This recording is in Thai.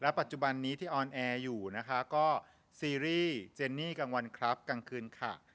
ปัจจุบันนี้ที่ออนแอร์อยู่นะคะก็ซีรีส์เจนนี่กลางวันครับกลางคืนค่ะ